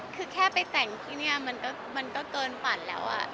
คือแค่ไปแต่งที่นี่มันก็เกินฝันแล้ว